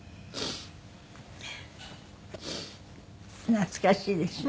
懐かしいでしょ。